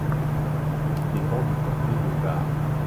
Elle dépend du comté de Dare.